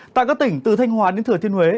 tại các tỉnh từ thanh hóa đến thừa thiên huế